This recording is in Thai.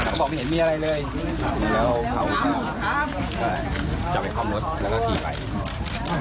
เขาบอกไม่เห็นมีอะไรเลยแล้วเขาก็จะไปคอมรถแล้วก็ขี่ไป